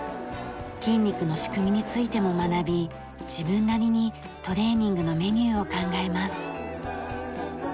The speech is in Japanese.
筋肉の仕組みについても学び自分なりにトレーニングのメニューを考えます。